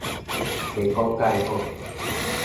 袂講蓋好